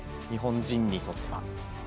日本人にとっては。